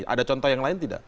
ada contoh yang lain tidak